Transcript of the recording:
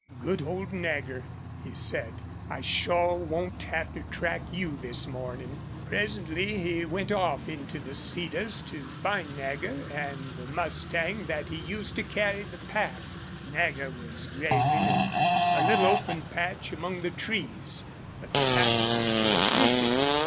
"Good old Nagger!" he said. "I shore won't have to track you this mornin'." Presently he went off into the cedars to find Nagger and the mustang that he used to carry a pack. Nagger was grazing in a little open patch among the trees, but the pack horse was missing.